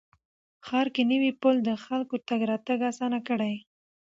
ښار کې نوی پل د خلکو تګ راتګ اسانه کړ